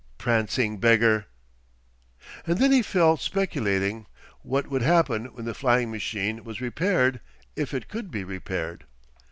"Prancing beggar!" And then he fell speculating what would happen when the flying machine, was repaired if it could be repaired.